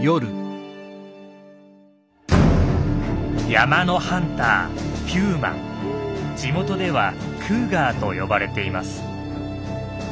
山のハンター地元ではクーガーと呼ばれています。